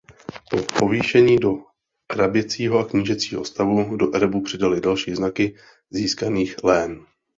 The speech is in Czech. Po povýšení do hraběcího a knížecího stavu do erbu přidali další znaky získaných lén.